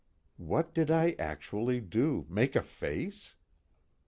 _What did I actually do? make a face?